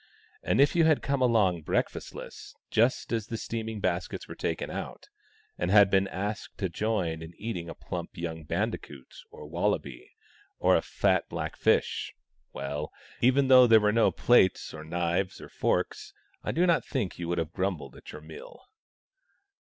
And if you had come along breakfastless just as the steaming baskets were taken out, and had been asked to join in eating a plump young bandicoot or wallaby or a fat black fish — well, even though there were no plates or knives or forks, I do not think you would have grumbled at your meal.